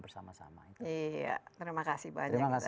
bersama sama terima kasih banyak